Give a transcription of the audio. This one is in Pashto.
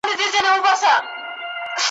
ستا د هري شېبې واک د خپل بادار دی ,